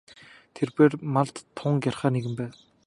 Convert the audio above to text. Тэрбээр малд тун гярхай нэгэн байв.